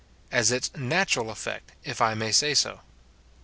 ] As its natural effect, if I may so say.